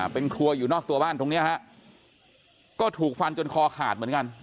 เป็นครัวอยู่นอกตัวบ้านตรงนี้ฮะก็ถูกฟันจนคอขาดเหมือนกัน